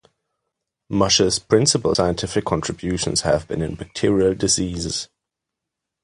Musher’s principal scientific contributions have been in bacterial diseases.